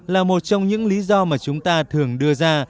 là một trong những lý do mà chúng ta thường đưa ra